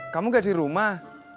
kamu nggak di rumah